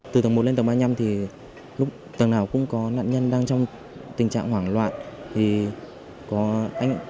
từ tầng một lên tầng ba mươi năm thì lúc tầng nào cũng có nạn nhân đang trong tình trạng hoảng loạn